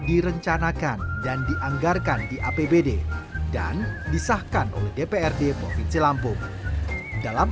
direncanakan dan dianggarkan di apbd dan disahkan oleh dprd provinsi lampung dalam